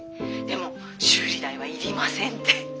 でも修理代はいりませんって。